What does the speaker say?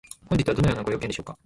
本日はどのようなご用件でしょうか？